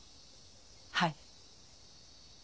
はい。